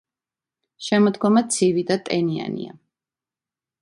შემოდგომა ცივი და ტენიანია.